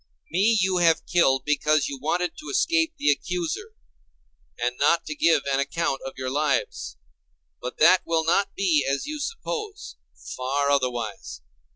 Me you have killed because you wanted to escape the accuser, and not to give an account of your lives. But that will not be as you suppose: far otherwise.